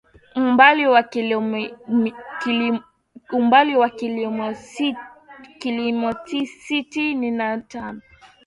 umbali wa Kilometa sitini na tano